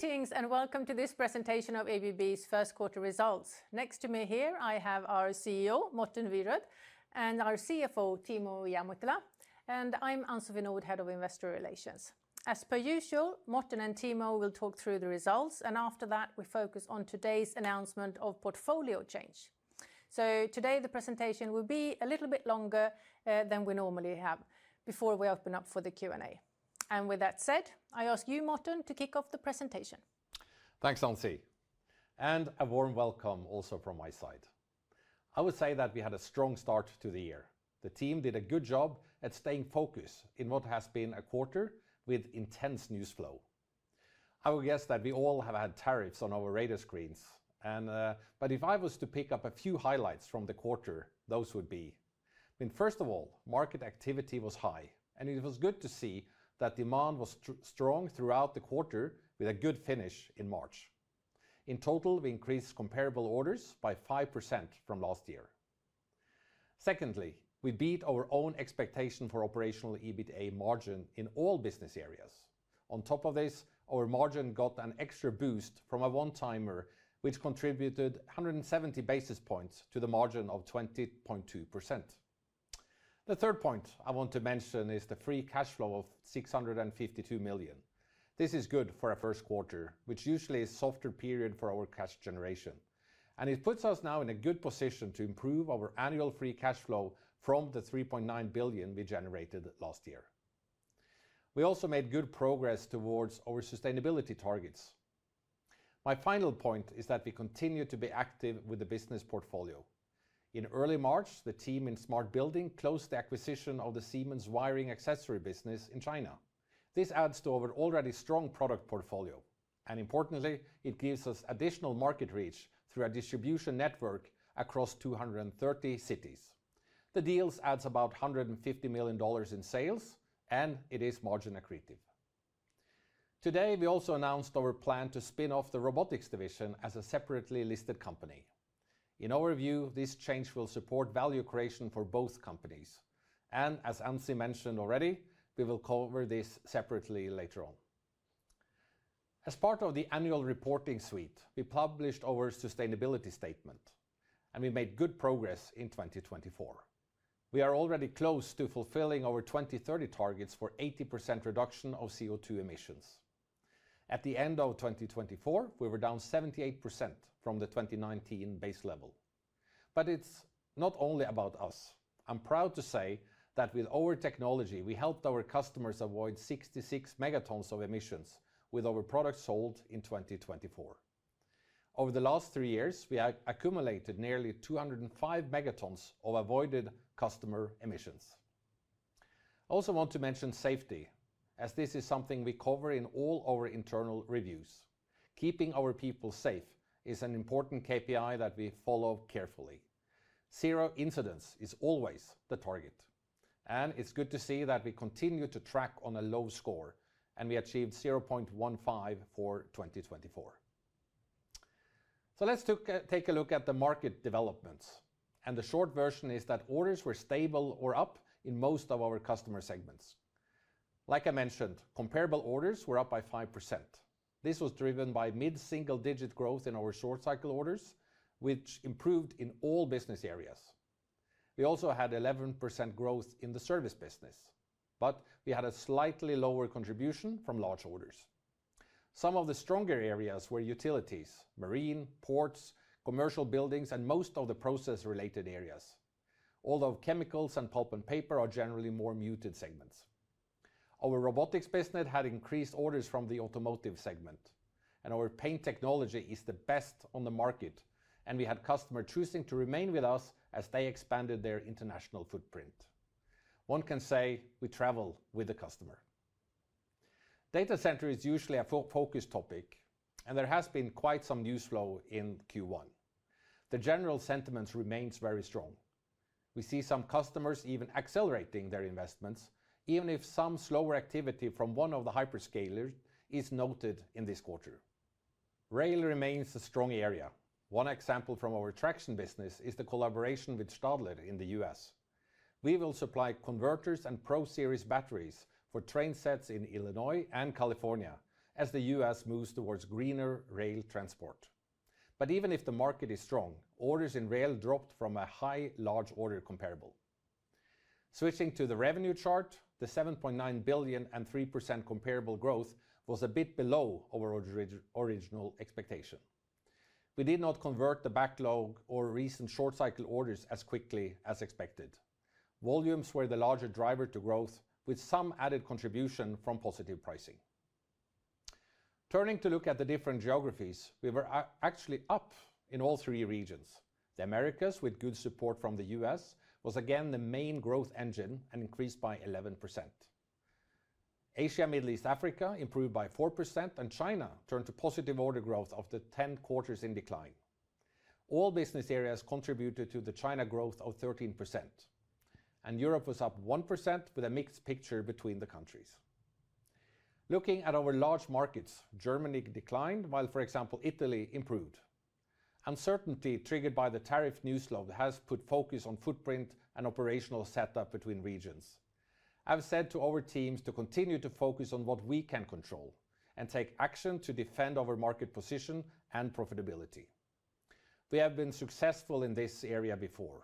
Greetings and welcome to this presentation of ABB's Q1 results. Next to me here, I have our CEO, Morten Wierod, and our CFO, Timo Ihamuotila. And I'm Ann-Sofie Nordh, Head of Investor Relations. As per usual, Morten and Timo will talk through the results, and after that, we focus on today's announcement of portfolio change. Today, the presentation will be a little bit longer than we normally have before we open up for the Q&A. With that said, I ask you, Morten, to kick off the presentation. Thanks, Ann-Sofie. A warm welcome also from my side. I would say that we had a strong start to the year. The team did a good job at staying focused in what has been a quarter with intense news flow. I would guess that we all have had tariffs on our radar screens. If I was to pick up a few highlights from the quarter, those would be: I mean, first of all, market activity was high, and it was good to see that demand was strong throughout the quarter, with a good finish in March. In total, we increased comparable orders by 5% from last year. Secondly, we beat our own expectation for operational EBITDA margin in all business areas. On top of this, our margin got an extra boost from a one-timer, which contributed 170 basis points to the margin of 20.2%. The third point I want to mention is the free cash flow of $652 million. This is good for a Q1, which usually is a softer period for our cash generation. It puts us now in a good position to improve our annual free cash flow from the $3.9 billion we generated last year. We also made good progress towards our sustainability targets. My final point is that we continue to be active with the business portfolio. In early March, the team in Smart Buildings closed the acquisition of the Siemens wiring accessory business in China. This adds to our already strong product portfolio. Importantly, it gives us additional market reach through our distribution network across 230 cities. The deals add about $150 million in sales, and it is margin accretive. Today, we also announced our plan to spin off the robotics division as a separately listed company. In our view, this change will support value creation for both companies. As Ann-Sofie mentioned already, we will cover this separately later on. As part of the annual reporting suite, we published our sustainability statement, and we made good progress in 2024. We are already close to fulfilling our 2030 targets for 80% reduction of CO2 emissions. At the end of 2024, we were down 78% from the 2019 base level. It is not only about us. I'm proud to say that with our technology, we helped our customers avoid 66 megatons of emissions with our products sold in 2024. Over the last three years, we accumulated nearly 205 megatons of avoided customer emissions. I also want to mention safety, as this is something we cover in all our internal reviews. Keeping our people safe is an important KPI that we follow carefully. Zero incidents is always the target. It is good to see that we continue to track on a low score, and we achieved 0.15 for 2024. Let's take a look at the market developments. The short version is that orders were stable or up in most of our customer segments. Like I mentioned, comparable orders were up by 5%. This was driven by mid-single-digit growth in our short-cycle orders, which improved in all business areas. We also had 11% growth in the service business, but we had a slightly lower contribution from large orders. Some of the stronger areas were utilities, marine, ports, commercial buildings, and most of the process-related areas, although chemicals and pulp and paper are generally more muted segments. Our robotics business had increased orders from the automotive segment, and our paint technology is the best on the market, and we had customers choosing to remain with us as they expanded their international footprint. One can say we travel with the customer. Data center is usually a focus topic, and there has been quite some news flow in Q1. The general sentiment remains very strong. We see some customers even accelerating their investments, even if some slower activity from one of the hyperscalers is noted in this quarter. Rail remains a strong area. One example from our Traction business is the collaboration with Stadler in the U.S. We will supply converters and Pro Series batteries for train sets in Illinois and California as the U.S. moves towards greener rail transport. Even if the market is strong, orders in rail dropped from a high large order comparable. Switching to the revenue chart, the $7.9 billion and 3% comparable growth was a bit below our original expectation. We did not convert the backlog or recent short-cycle orders as quickly as expected. Volumes were the larger driver to growth, with some added contribution from positive pricing. Turning to look at the different geographies, we were actually up in all three regions. The Americans, with good support from the U.S., was again the main growth engine and increased by 11%. Asia, Middle East, Africa improved by 4%, and China turned to positive order growth after 10 quarters in decline. All business areas contributed to the China growth of 13%. Europe was up 1% with a mixed picture between the countries. Looking at our large markets, Germany declined, while, for example, Italy improved. Uncertainty triggered by the tariff news flow has put focus on footprint and operational setup between regions. I have said to our teams to continue to focus on what we can control and take action to defend our market position and profitability. We have been successful in this area before.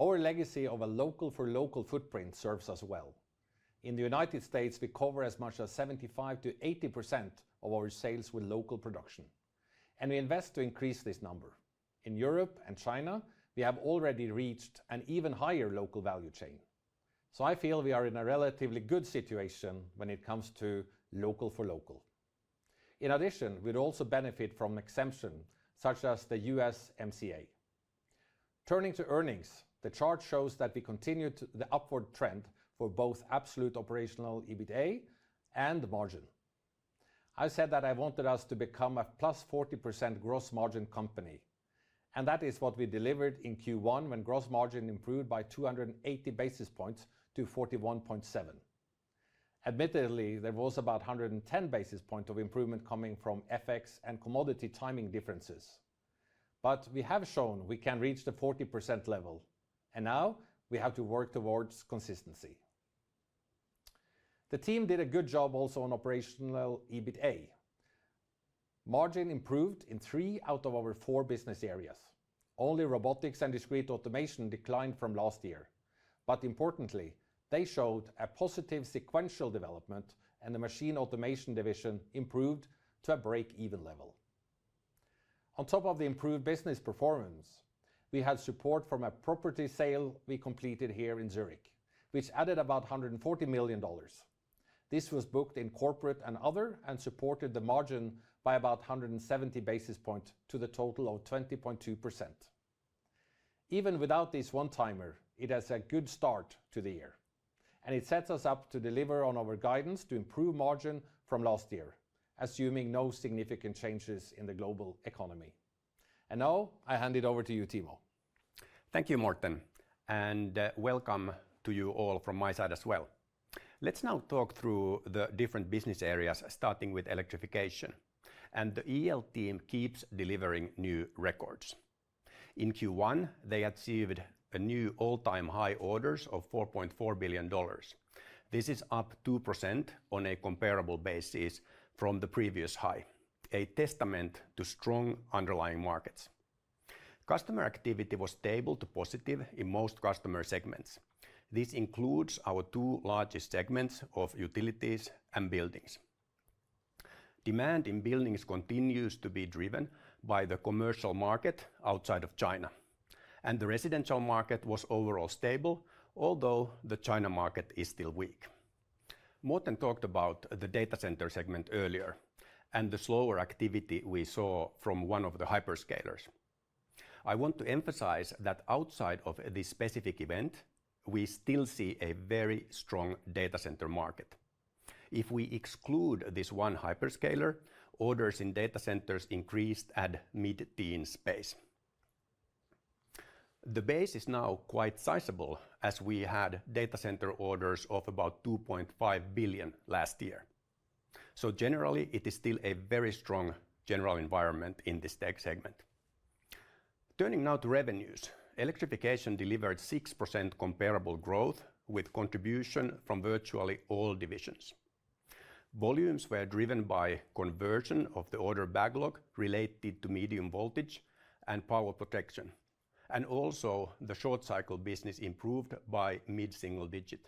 Our legacy of a local-for-local footprint serves us well. In the United States, we cover as much as 75%-80% of our sales with local production. We invest to increase this number. In Europe and China, we have already reached an even higher local value chain. I feel we are in a relatively good situation when it comes to local-for-local. In addition, we also benefit from exemptions such as the USMCA. Turning to earnings, the chart shows that we continued the upward trend for both absolute operational EBITDA and margin. I said that I wanted us to become a plus 40% gross margin company. That is what we delivered in Q1 when gross margin improved by 280 basis points to 41.7%. Admittedly, there was about 110 basis points of improvement coming from FX and commodity timing differences. We have shown we can reach the 40% level. Now we have to work towards consistency. The team did a good job also on operational EBITDA. Margin improved in three out of our four business areas. Only Robotics & Discrete Automation declined from last year. Importantly, they showed a positive sequential development, and the Machine Automation division improved to a break-even level. On top of the improved business performance, we had support from a property sale we completed here in Zurich, which added about $140 million. This was booked in corporate and other and supported the margin by about 170 basis points to the total of 20.2%. Even without this one-timer, it is a good start to the year. It sets us up to deliver on our guidance to improve margin from last year, assuming no significant changes in the global economy. Now I hand it over to you, Timo. Thank you, Morten. Welcome to you all from my side as well. Let's now talk through the different business areas, starting with Electrification. The EL team keeps delivering new records. In Q1, they achieved a new all-time high orders of $4.4 billion. This is up 2% on a comparable basis from the previous high, a testament to strong underlying markets. Customer activity was stable to positive in most customer segments. This includes our two largest segments of utilities and buildings. Demand in buildings continues to be driven by the commercial market outside of China. The residential market was overall stable, although the China market is still weak. Morten talked about the data center segment earlier and the slower activity we saw from one of the hyperscalers. I want to emphasize that outside of this specific event, we still see a very strong data center market. If we exclude this one hyperscaler, orders in data centers increased at mid-teen space. The base is now quite sizable, as we had data center orders of about $2.5 billion last year. Generally, it is still a very strong general environment in this tech segment. Turning now to revenues, Electrification delivered 6% comparable growth with contribution from virtually all divisions. Volumes were driven by conversion of the order backlog related to medium voltage and power protection. Also, the short-cycle business improved by mid-single digit.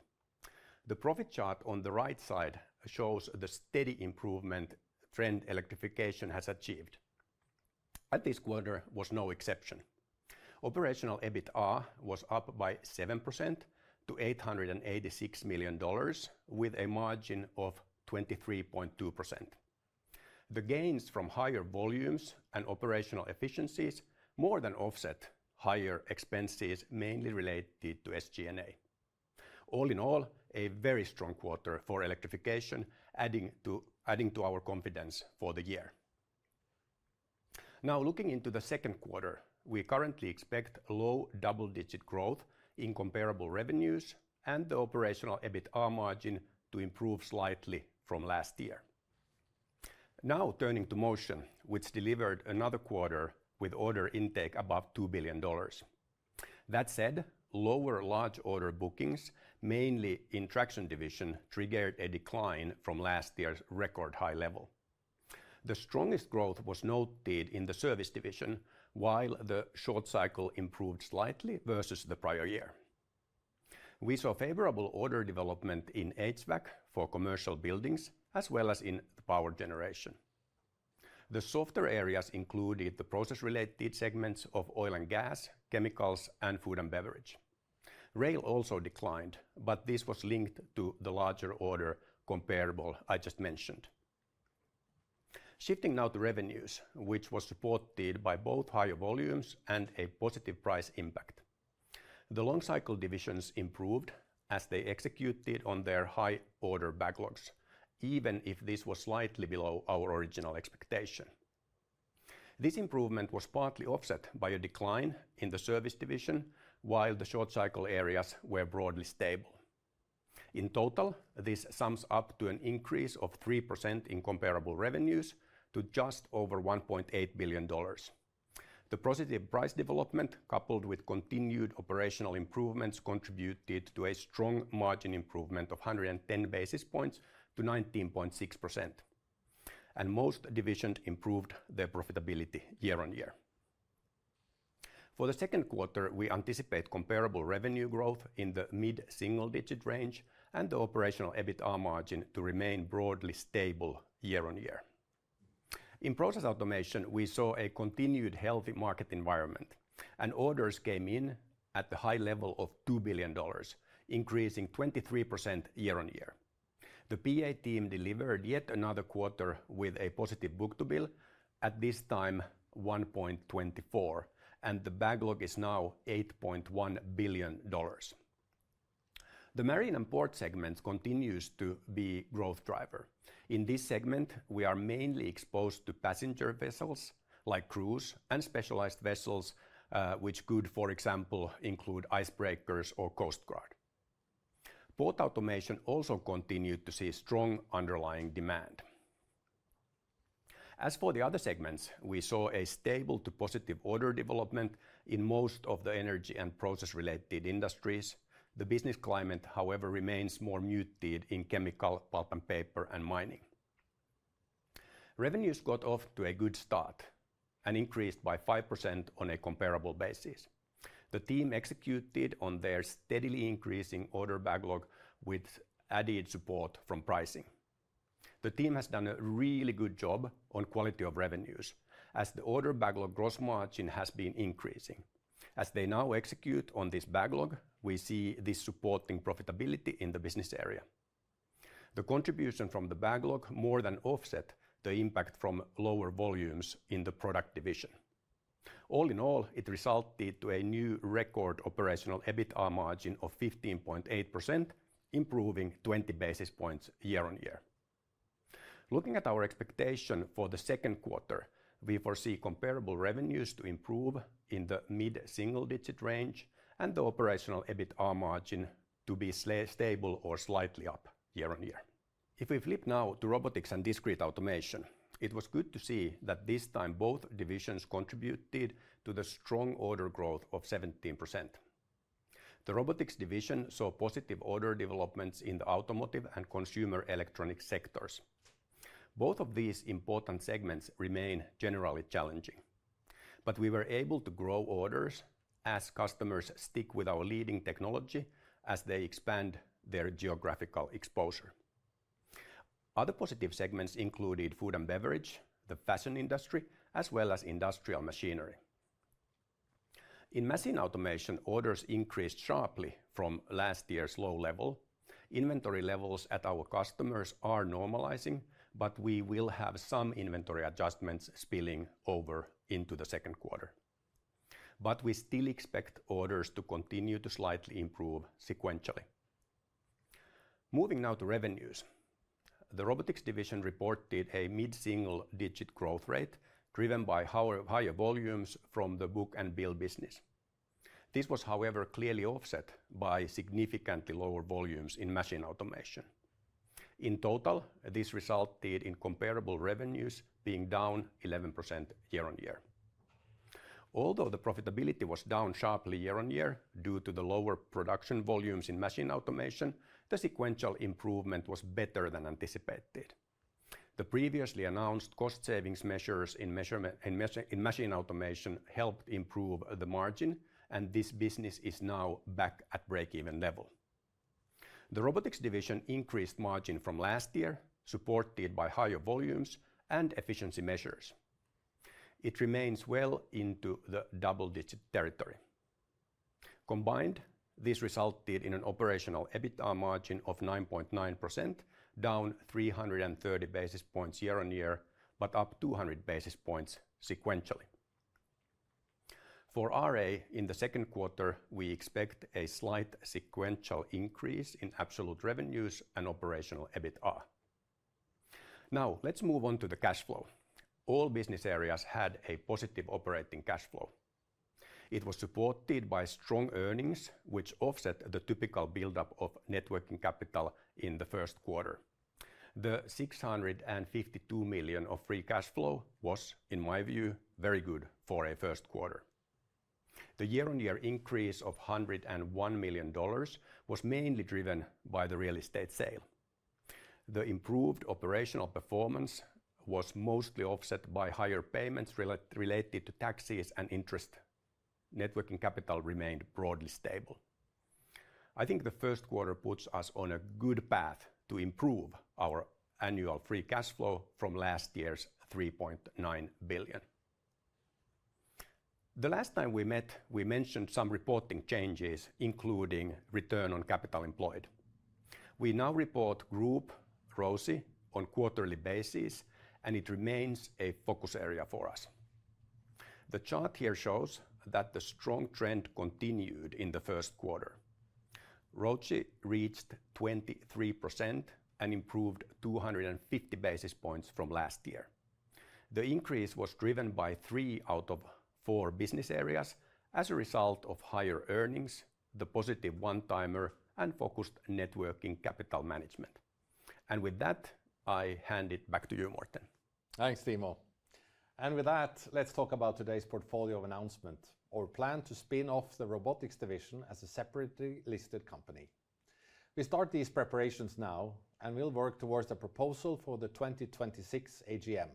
The profit chart on the right side shows the steady improvement trend Electrification has achieved. At this quarter, there was no exception. Operational EBITDA was up by 7% to $886 million, with a margin of 23.2%. The gains from higher volumes and operational efficiencies more than offset higher expenses mainly related to SG&A. All in all, a very strong quarter for Electrification, adding to our confidence for the year. Now, looking into the Q2, we currently expect low double-digit growth in comparable revenues and the operational EBITDA margin to improve slightly from last year. Now, turning to Motion, which delivered another quarter with order intake above $2 billion. That said, lower large order bookings, mainly in Traction division, triggered a decline from last year's record high level. The strongest growth was noted in the service division, while the short cycle improved slightly versus the prior year. We saw favorable order development in HVAC for commercial buildings, as well as in power generation. The softer areas included the process-related segments of oil and gas, chemicals, and food and beverage. Rail also declined, but this was linked to the larger order comparable I just mentioned. Shifting now to revenues, which was supported by both higher volumes and a positive price impact. The long-cycle divisions improved as they executed on their high order backlogs, even if this was slightly below our original expectation. This improvement was partly offset by a decline in the service division, while the short-cycle areas were broadly stable. In total, this sums up to an increase of 3% in comparable revenues to just over $1.8 billion. The positive price development, coupled with continued operational improvements, contributed to a strong margin improvement of 110 basis points to 19.6%. Most divisions improved their profitability year-on-year. For the Q2, we anticipate comparable revenue growth in the mid-single digit range and the operational EBITDA margin to remain broadly stable year-on-year. In Process Automation, we saw a continued healthy market environment, and orders came in at the high level of $2 billion, increasing 23% year-on-year. The PA team delivered yet another quarter with a positive book-to-bill, at this time 1.24, and the backlog is now $8.1 billion. The marine and port segments continue to be growth drivers. In this segment, we are mainly exposed to passenger vessels like cruise and specialized vessels, which could, for example, include icebreakers or coast guard. Port automation also continued to see strong underlying demand. As for the other segments, we saw a stable to positive order development in most of the energy and process-related industries. The business climate, however, remains more muted in chemical, pulp and paper, and mining. Revenues got off to a good start and increased by 5% on a comparable basis. The team executed on their steadily increasing order backlog with added support from pricing. The team has done a really good job on quality of revenues, as the order backlog gross margin has been increasing. As they now execute on this backlog, we see this supporting profitability in the business area. The contribution from the backlog more than offset the impact from lower volumes in the product division. All in all, it resulted in a new record operational EBITDA margin of 15.8%, improving 20 basis points year-on-year. Looking at our expectation for the Q2, we foresee comparable revenues to improve in the mid-single digit range and the operational EBITDA margin to be stable or slightly up year-on-year. If we flip now to Robotics & Discrete Automation, it was good to see that this time both divisions contributed to the strong order growth of 17%. The robotics division saw positive order developments in the automotive and consumer electronics sectors. Both of these important segments remain generally challenging. We were able to grow orders as customers stick with our leading technology as they expand their geographical exposure. Other positive segments included food and beverage, the fashion industry, as well as industrial machinery. In Machine Automation, orders increased sharply from last year's low level. Inventory levels at our customers are normalizing, but we will have some inventory adjustments spilling over into the Q2. We still expect orders to continue to slightly improve sequentially. Moving now to revenues, the robotics division reported a mid-single digit growth rate driven by higher volumes from the book and bill business. This was, however, clearly offset by significantly lower volumes in Machine Automation. In total, this resulted in comparable revenues being down 11% year-on-year. Although the profitability was down sharply year-on-year due to the lower production volumes in Machine Automation, the sequential improvement was better than anticipated. The previously announced cost-saving measures in Machine Automation helped improve the margin, and this business is now back at break-even level. The robotics division increased margin from last year, supported by higher volumes and efficiency measures. It remains well into the double-digit territory. Combined, this resulted in an operational EBITDA margin of 9.9%, down 330 basis points year-on-year, but up 200 basis points sequentially. For RA, in the Q2, we expect a slight sequential increase in absolute revenues and operational EBITDA. Now, let's move on to the cash flow. All business areas had a positive operating cash flow. It was supported by strong earnings, which offset the typical buildup of net working capital in the Q1. The $652 million of free cash flow was, in my view, very good for a Q1. The year-on-year increase of $101 million was mainly driven by the real estate sale. The improved operational performance was mostly offset by higher payments related to taxes and interest. net working capital remained broadly stable. I think the Q1 puts us on a good path to improve our annual free cash flow from last year's $3.9 billion. The last time we met, we mentioned some reporting changes, including return on capital employed. We now report Group ROCE on a quarterly basis, and it remains a focus area for us. The chart here shows that the strong trend continued in the Q1. ROCE reached 23% and improved 250 basis points from last year. The increase was driven by three out of four business areas as a result of higher earnings, the positive one-timer, and focused net working capital management. With that, I hand it back to you, Morten. Thanks, Timo. With that, let's talk about today's portfolio of announcements. Our plan is to spin off the robotics division as a separately listed company. We start these preparations now, and we'll work towards a proposal for the 2026 AGM.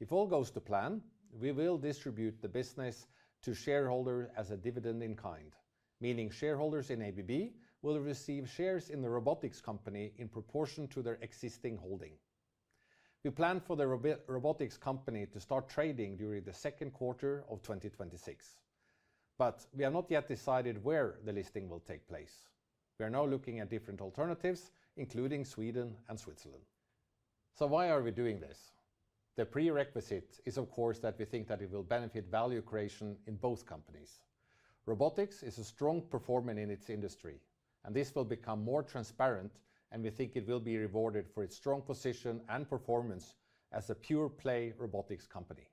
If all goes to plan, we will distribute the business to shareholders as a dividend in kind, meaning shareholders in ABB will receive shares in the robotics company in proportion to their existing holding. We plan for the robotics company to start trading during the Q2 of 2026, but we have not yet decided where the listing will take place. We are now looking at different alternatives, including Sweden and Switzerland. Why are we doing this? The prerequisite is, of course, that we think that it will benefit value creation in both companies. Robotics is a strong performer in its industry, and this will become more transparent, and we think it will be rewarded for its strong position and performance as a pure-play robotics company.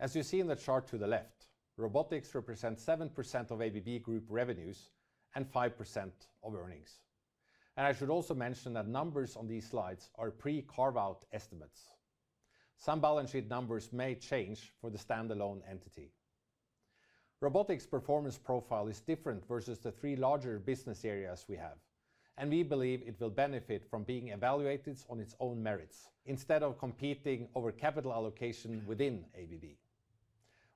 As you see in the chart to the left, robotics represents 7% of ABB Group revenues and 5% of earnings. I should also mention that numbers on these slides are pre-carve-out estimates. Some balance sheet numbers may change for the standalone entity. Robotics performance profile is different versus the three larger business areas we have, and we believe it will benefit from being evaluated on its own merits instead of competing over capital allocation within ABB.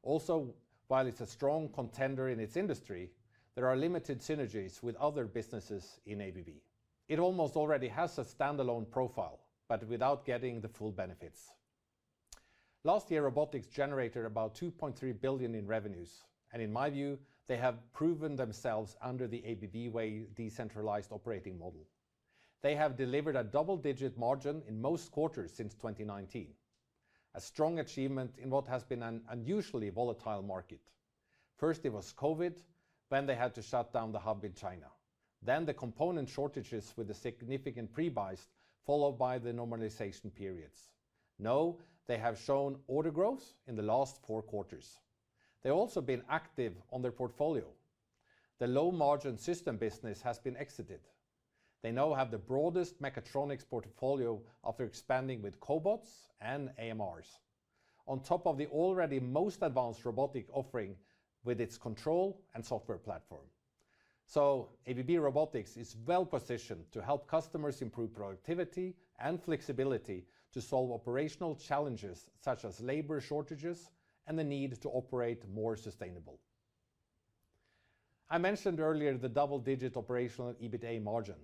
Also, while it's a strong contender in its industry, there are limited synergies with other businesses in ABB. It almost already has a standalone profile, but without getting the full benefits. Last year, robotics generated about $2.3 billion in revenues, and in my view, they have proven themselves under the ABB-way decentralized operating model. They have delivered a double-digit margin in most quarters since 2019, a strong achievement in what has been an unusually volatile market. First, it was COVID, when they had to shut down the hub in China. Then the component shortages with the significant pre-buys, followed by the normalization periods. Now, they have shown order growth in the last four quarters. They've also been active on their portfolio. The low-margin system business has been exited. They now have the broadest mechatronics portfolio after expanding with Cobot & AMR on top of the already most advanced robotic offering with its control and software platform. ABB Robotics is well positioned to help customers improve productivity and flexibility to solve operational challenges such as labor shortages and the need to operate more sustainably. I mentioned earlier the double-digit operational EBITDA margin.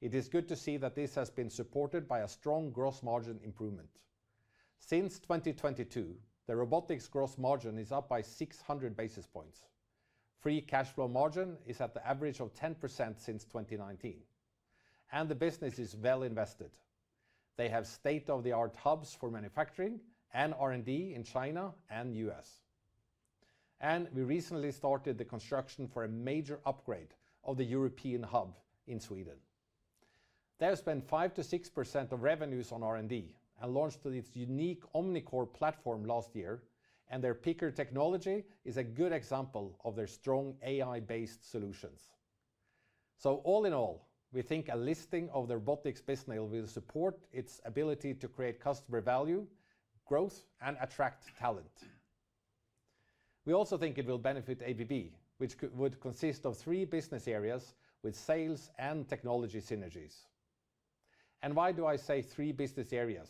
It is good to see that this has been supported by a strong gross margin improvement. Since 2022, the robotics gross margin is up by 600 basis points. Free cash flow margin is at the average of 10% since 2019, and the business is well invested. They have state-of-the-art hubs for manufacturing and R&D in China and the U.S. We recently started the construction for a major upgrade of the European hub in Sweden. They have spent 5%-6% of revenues on R&D and launched its unique OmniCore platform last year, and their Picker technology is a good example of their strong AI-based solutions. All in all, we think a listing of the robotics business will support its ability to create customer value, growth, and attract talent. We also think it will benefit ABB, which would consist of three business areas with sales and technology synergies. Why do I say three business areas?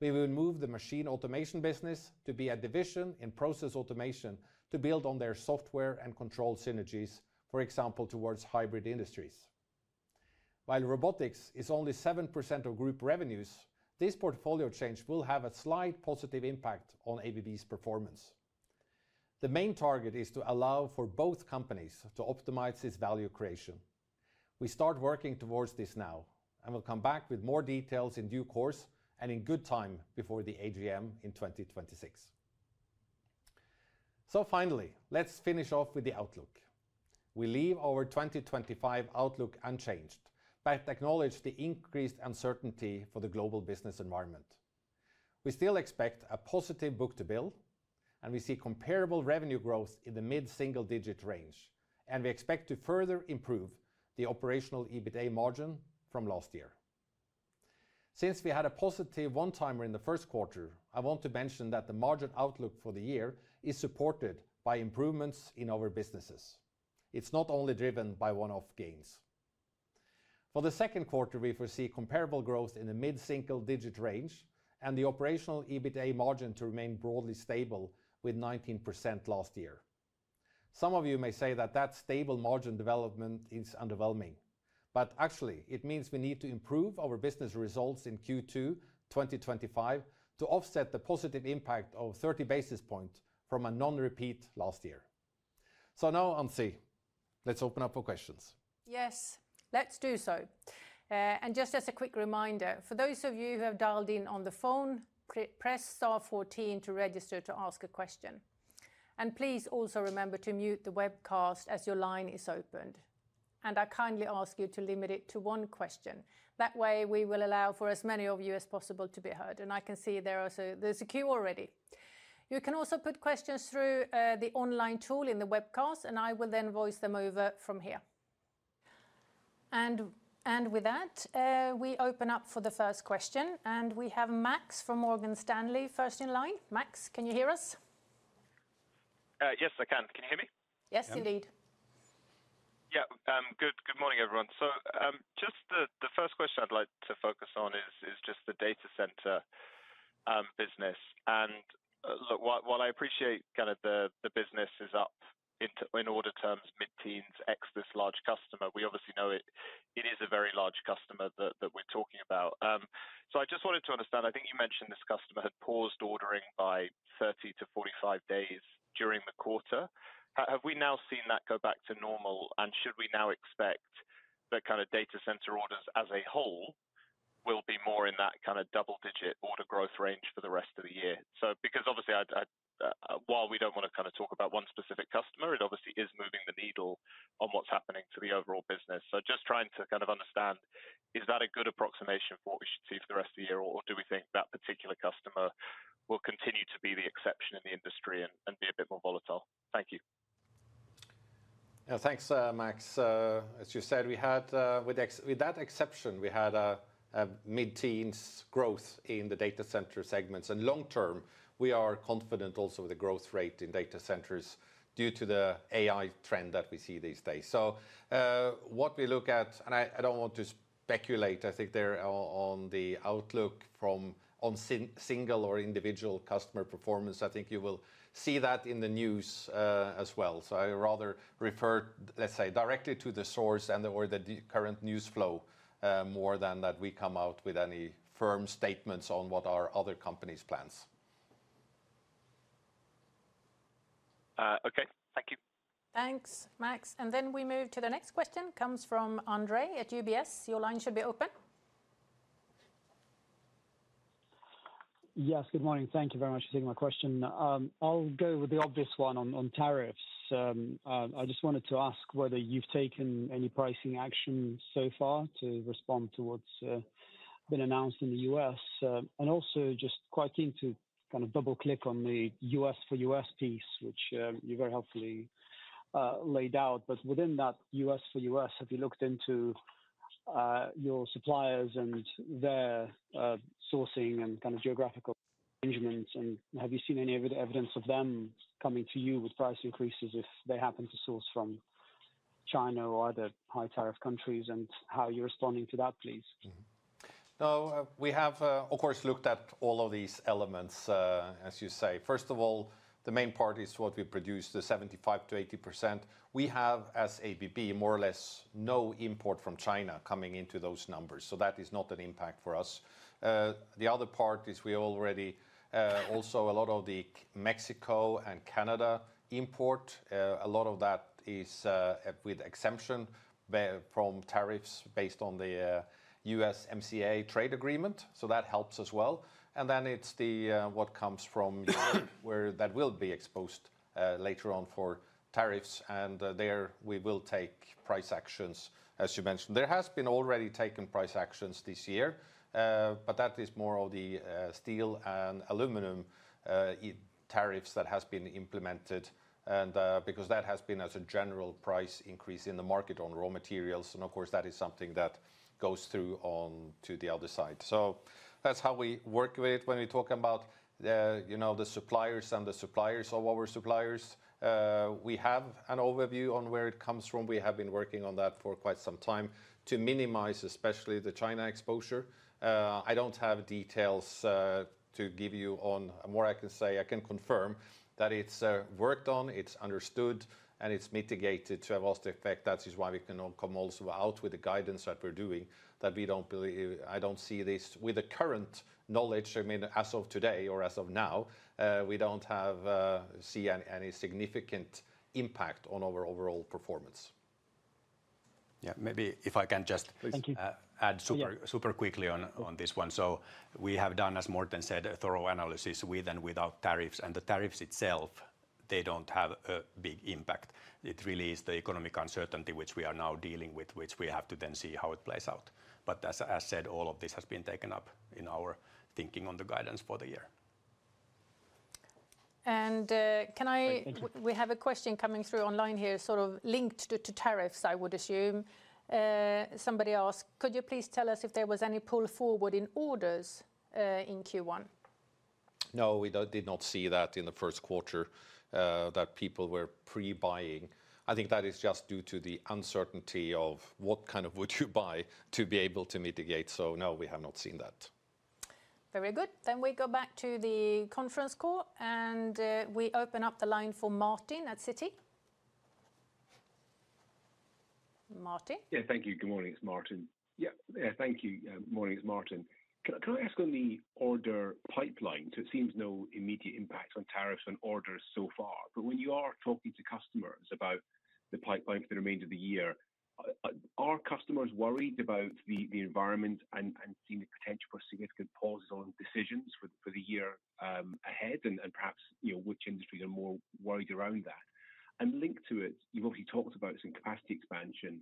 We will move the Machine Automation business to be a division in Process Automation to build on their software and control synergies, for example, towards hybrid industries. While robotics is only 7% of Group revenues, this portfolio change will have a slight positive impact on ABB's performance. The main target is to allow for both companies to optimize this value creation. We start working towards this now, and we'll come back with more details in due course and in good time before the AGM in 2026. Finally, let's finish off with the outlook. We leave our 2025 outlook unchanged but acknowledge the increased uncertainty for the global business environment. We still expect a positive book-to-bill, and we see comparable revenue growth in the mid-single digit range, and we expect to further improve the operational EBITDA margin from last year. Since we had a positive one-timer in the Q1, I want to mention that the margin outlook for the year is supported by improvements in our businesses. It's not only driven by one-off gains. For the Q2, we foresee comparable growth in the mid-single digit range and the operational EBITDA margin to remain broadly stable with 19% last year. Some of you may say that that stable margin development is underwhelming, but actually, it means we need to improve our business results in Q2 2025 to offset the positive impact of 30 basis points from a non-repeat last year. Now, Ann-Sofie, let's open up for questions. Yes, let's do so. Just as a quick reminder, for those of you who have dialed in on the phone, press Star 14 to register to ask a question. Please also remember to mute the webcast as your line is opened. I kindly ask you to limit it to one question. That way, we will allow for as many of you as possible to be heard. I can see there is a queue already. You can also put questions through the online tool in the webcast, and I will then voice them over from here. With that, we open up for the first question, and we have Max from Morgan Stanley first in line. Max, can you hear us? Yes, I can. Can you hear me? Yes, indeed. Yeah, good morning, everyone. Just the first question I'd like to focus on is just the data center business. Look, while I appreciate kind of the business is up in order terms, mid-teens, ex this large customer, we obviously know it is a very large customer that we're talking about. I just wanted to understand, I think you mentioned this customer had paused ordering by 30-45 days during the quarter. Have we now seen that go back to normal, and should we now expect that kind of data center orders as a whole will be more in that kind of double-digit order growth range for the rest of the year? Because obviously, while we don't want to kind of talk about one specific customer, it obviously is moving the needle on what's happening to the overall business. Just trying to kind of understand, is that a good approximation for what we should see for the rest of the year, or do we think that particular customer will continue to be the exception in the industry and be a bit more volatile? Thank you. Yeah, thanks, Max. As you said, with that exception, we had a mid-teens growth in the data center segments. Long term, we are confident also with the growth rate in data centers due to the AI trend that we see these days. What we look at, and I do not want to speculate, I think they are on the outlook from single or individual customer performance. I think you will see that in the news as well. I rather refer, let's say, directly to the source and/or the current news flow more than that we come out with any firm statements on what our other companies' plans. Okay, thank you. Thanks, Max. Next, the question comes from Andrei at UBS. Your line should be open. Yes, good morning. Thank you very much for taking my question. I'll go with the obvious one on tariffs. I just wanted to ask whether you've taken any pricing action so far to respond to what's been announced in the U.S., and also just quite keen to kind of double-click on the U.S. for U.S. piece, which you very helpfully laid out. Within that U.S. for U.S., have you looked into your suppliers and their sourcing and kind of geographical arrangements, and have you seen any evidence of them coming to you with price increases if they happen to source from China or other high-tariff countries, and how are you responding to that, please? No, we have, of course, looked at all of these elements, as you say. First of all, the main part is what we produce, the 75%-80%. We have, as ABB, more or less no import from China coming into those numbers, so that is not an impact for us. The other part is we already also a lot of the Mexico and Canada import, a lot of that is with exemption from tariffs based on the USMCA trade agreement, so that helps as well. Then it is what comes from Europe, where that will be exposed later on for tariffs, and there we will take price actions, as you mentioned. There has been already taken price actions this year, but that is more of the steel and aluminum tariffs that have been implemented, and because that has been as a general price increase in the market on raw materials, and of course, that is something that goes through on to the other side. That is how we work with it when we talk about the suppliers and the suppliers of our suppliers. We have an overview on where it comes from. We have been working on that for quite some time to minimize especially the China exposure. I do not have details to give you on. More I can say, I can confirm that it is worked on, it is understood, and it is mitigated to have lost effect. That is why we can come also out with the guidance that we're doing, that we don't believe, I don't see this with the current knowledge. I mean, as of today or as of now, we don't see any significant impact on our overall performance. Yeah, maybe if I can just. Please. Add super quickly on this one. We have done, as Morten said, a thorough analysis with and without tariffs, and the tariffs itself, they do not have a big impact. It really is the economic uncertainty which we are now dealing with, which we have to then see how it plays out. As I said, all of this has been taken up in our thinking on the guidance for the year. Can I, we have a question coming through online here, sort of linked to tariffs, I would assume. Somebody asked, could you please tell us if there was any pull forward in orders in Q1? No, we did not see that in the Q1, that people were pre-buying. I think that is just due to the uncertainty of what kind of would you buy to be able to mitigate. No, we have not seen that. Very good. We go back to the conference call, and we open up the line for Martin at Citi. Martin? Yeah, thank you. Good morning, it's Martin. Thank you. Good morning, it's Martin. Can I ask on the order pipeline? It seems no immediate impact on tariffs on orders so far, but when you are talking to customers about the pipeline for the remainder of the year, are customers worried about the environment and seeing the potential for significant pauses on decisions for the year ahead and perhaps which industries are more worried around that? Linked to it, you've obviously talked about some capacity expansion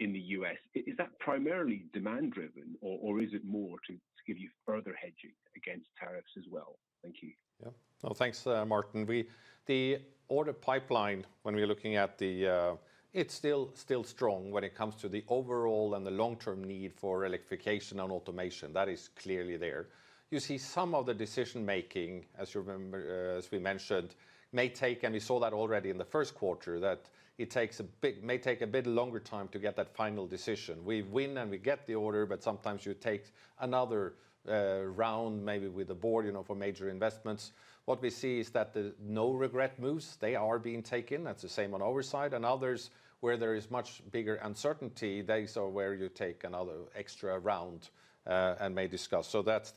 in the U.S. Is that primarily demand-driven, or is it more to give you further hedging against tariffs as well? Thank you. Yeah, thanks, Martin. The order pipeline, when we're looking at it, is still strong when it comes to the overall and the long-term need for Electrification and automation. That is clearly there. You see some of the decision-making, as we mentioned, may take, and we saw that already in the Q1, that it takes a bit, may take a bit longer time to get that final decision. We win and we get the order, but sometimes you take another round, maybe with the board for major investments. What we see is that the no-regret moves, they are being taken. That's the same on our side. Others where there is much bigger uncertainty, these are where you take another extra round and may discuss. That's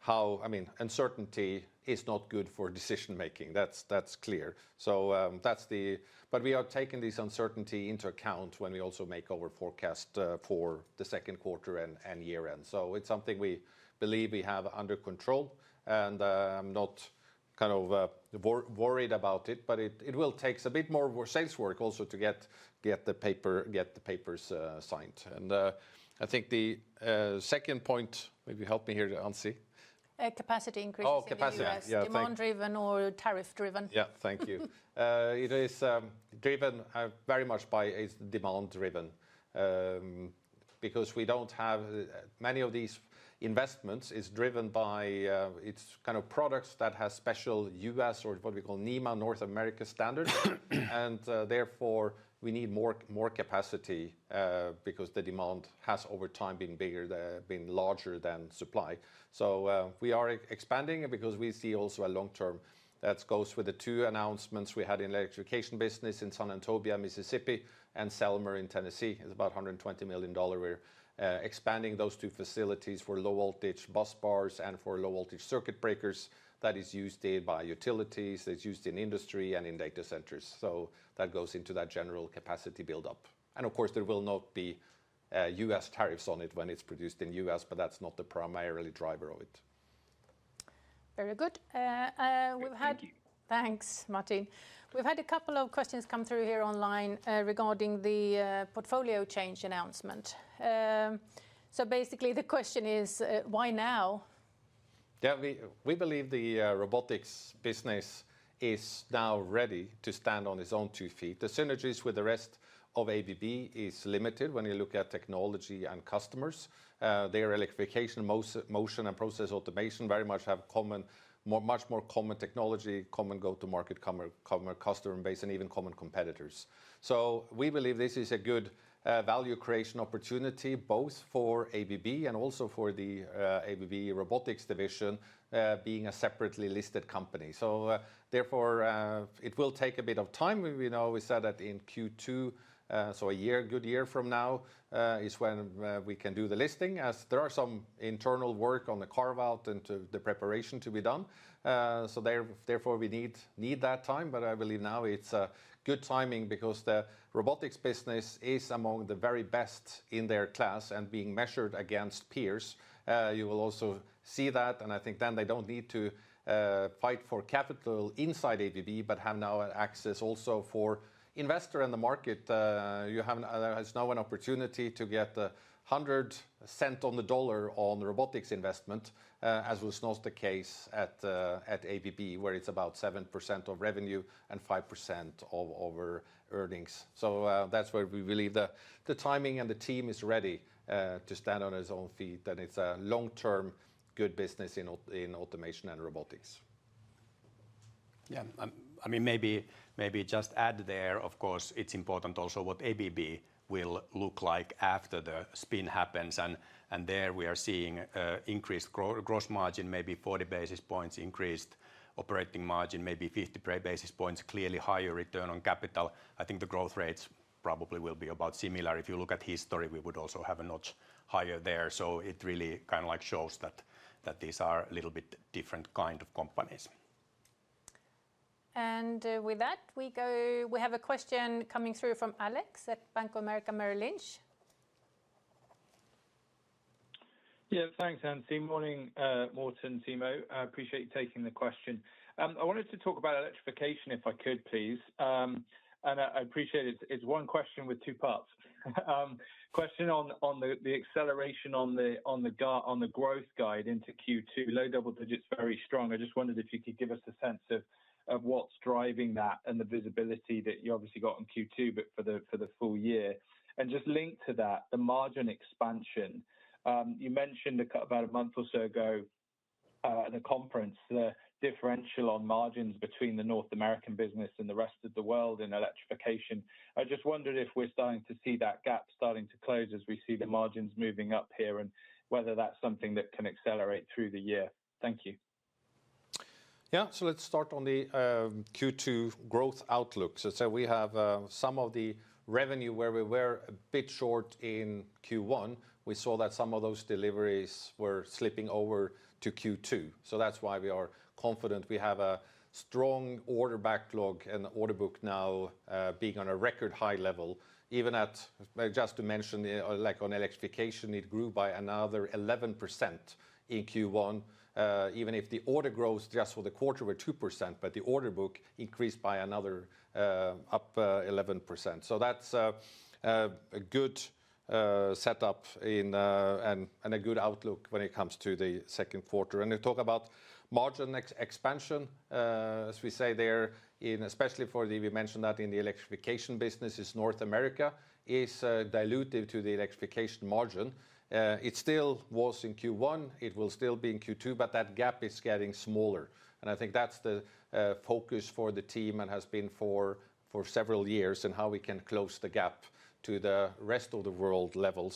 how, I mean, uncertainty is not good for decision-making. That's clear. That is the, but we are taking this uncertainty into account when we also make our forecast for the Q2 and year-end. It is something we believe we have under control and not kind of worried about it, but it will take a bit more sales work also to get the papers signed. I think the second point, maybe help me here, Ann-Sofie. Capacity increase. Oh, capacity. Yeah. Demand-driven or tariff-driven. Yeah, thank you. It is driven very much by demand-driven because we do not have many of these investments. It is driven by its kind of products that have special U.S. or what we call NEMA North America standard. Therefore, we need more capacity because the demand has over time been bigger, been larger than supply. We are expanding because we see also a long-term that goes with the two announcements we had in the Electrification business in Senatobia, Mississippi, and Selmer in Tennessee. It is about $120 million. We are expanding those two facilities for low-voltage bus bars and for low-voltage circuit breakers that are used by utilities, that are used in industry and in data centers. That goes into that general capacity build-up. Of course, there will not be U.S. tariffs on it when it is produced in the U.S., but that is not the primary driver of it. Very good. We've had. Thank you. Thanks, Morten. We've had a couple of questions come through here online regarding the portfolio change announcement. Basically, the question is, why now? Yeah, we believe the robotics business is now ready to stand on its own two feet. The synergies with the rest of ABB is limited when you look at technology and customers. Their Electrification, Motion, and Process Automation very much have common, much more common technology, common go-to-market, common customer base, and even common competitors. We believe this is a good value creation opportunity both for ABB and also for the ABB robotics division being a separately listed company. Therefore, it will take a bit of time. We said that in Q2, so a good year from now is when we can do the listing, as there are some internal work on the carve-out and the preparation to be done. Therefore, we need that time, but I believe now it's good timing because the robotics business is among the very best in their class and being measured against peers. You will also see that, and I think then they don't need to fight for capital inside ABB, but have now access also for investors in the market. There is now an opportunity to get a hundred cents on the dollar on robotics investment, as was not the case at ABB, where it's about 7% of revenue and 5% of our earnings. That's where we believe the timing and the team is ready to stand on its own feet, and it's a long-term good business in automation and robotics. Yeah, I mean, maybe just add there, of course, it's important also what ABB will look like after the spin happens. There we are seeing increased gross margin, maybe 40 basis points increased, operating margin maybe 50 basis points, clearly higher return on capital. I think the growth rates probably will be about similar. If you look at history, we would also have a notch higher there. It really kind of shows that these are a little bit different kind of companies. With that, we have a question coming through from Alex at BofA Merrill Lynch. Yeah, thanks, Ann-Sofie. Morning, Morten, Timo. I appreciate you taking the question. I wanted to talk about Electrification if I could, please. I appreciate it's one question with two parts. Question on the acceleration on the growth guide into Q2, low double digits, very strong. I just wondered if you could give us a sense of what's driving that and the visibility that you obviously got in Q2, but for the full year. Just linked to that, the margin expansion. You mentioned about a month or so ago at a conference, the differential on margins between the North American business and the rest of the world in Electrification. I just wondered if we're starting to see that gap starting to close as we see the margins moving up here and whether that's something that can accelerate through the year. Thank you. Yeah, so let's start on the Q2 growth outlook. We have some of the revenue where we were a bit short in Q1. We saw that some of those deliveries were slipping over to Q2. That's why we are confident we have a strong order backlog and order book now being on a record high level. Even just to mention, like on Electrification, it grew by another 11% in Q1, even if the order growth just for the quarter was 2%, but the order book increased by another 11%. That's a good setup and a good outlook when it comes to the Q2. We talk about margin expansion, as we say there, especially for the, we mentioned that in the Electrification business, North America is diluted to the Electrification margin. It still was in Q1. It will still be in Q2, but that gap is getting smaller. I think that's the focus for the team and has been for several years and how we can close the gap to the rest of the world level.